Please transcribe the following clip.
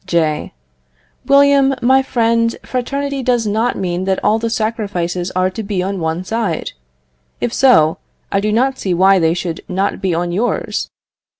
J. William, my friend, fraternity does not mean that all the sacrifices are to be on one side; if so, I do not see why they should not be on yours.